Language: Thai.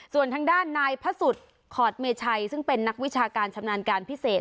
ส่วนทางด้านนายพระสุทธิ์ขอดเมชัยซึ่งเป็นนักวิชาการชำนาญการพิเศษ